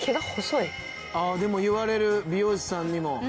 ああでも言われる美容師さんにも。